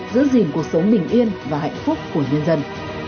giữ gìn cuộc sống bình yên và hạnh phúc của nhân dân